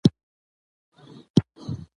له قافلې سره روان په سفر نه یم خبر